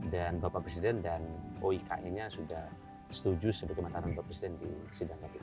dan bapak presiden dan oikn nya sudah setuju sebagai mataran bapak presiden di sidang itu